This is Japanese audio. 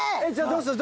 どうする？